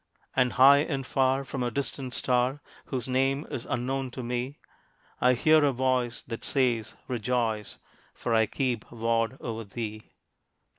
And high and far, from a distant star, Whose name is unknown to me, I hear a voice that says, "Rejoice, For I keep ward o'er thee!"